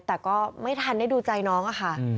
แต่ก็ไม่ทันได้ดูใจน้องอะค่ะ